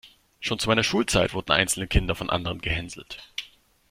Schon zu meiner Schulzeit wurden einzelne Kinder von anderen gehänselt.